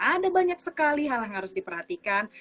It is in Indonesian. ada banyak sekali hal yang harus diperhatikan